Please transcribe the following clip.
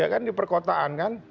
ya kan di perkotaan kan